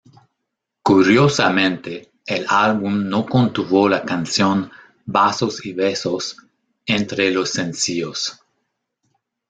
Curiosamente, el álbum no contuvo la canción ¨Vasos y Besos¨ entre los sencillos.